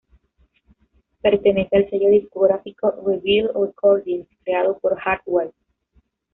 Pertenece al sello discográfico Revealed Recordings, creado por Hardwell.